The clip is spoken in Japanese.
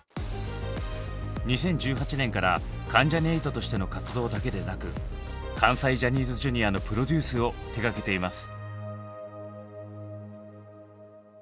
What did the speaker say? ２０１８年から関ジャニ∞としての活動だけでなく関西ジャニーズＪｒ．のプロデュースを手がけています。